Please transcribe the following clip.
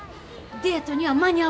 デートには間に合わん。